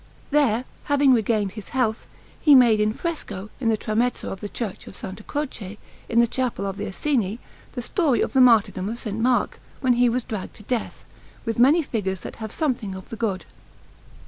There, having regained his health, he made in fresco, in the tramezzo of the Church of S. Croce, in the Chapel of the Asini, the story of the martyrdom of S. Mark, when he was dragged to death, with many figures that have something of the good.